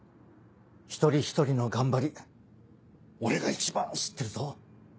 一人一人の頑張り俺が一番知ってるぞ。